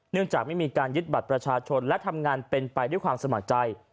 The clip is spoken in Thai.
จากไม่มีการยึดบัตรประชาชนและทำงานเป็นไปด้วยความสมัครใจ